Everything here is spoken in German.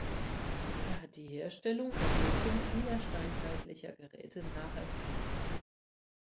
Er hat die Herstellung und Nutzung vieler steinzeitlicher Geräte nachempfunden.